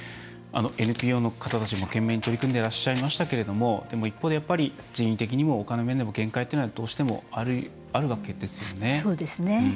ＮＰＯの方たちも懸命に取り組んでらっしゃいましたけどでも、一方で人員的にもお金の面でも限界というのはどうしてもあるわけですね。